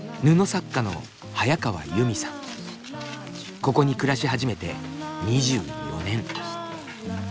ここに暮らし始めて２４年。